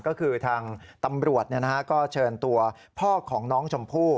ก็คือทางตำรวจก็เชิญตัวพ่อของน้องชมพู่